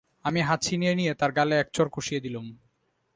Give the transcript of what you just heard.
আমি হাত ছিনিয়ে নিয়ে তার গালে এক চড় কষিয়ে দিলুম।